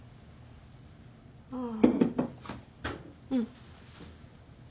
ああうん。